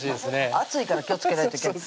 熱いから気をつけないといけない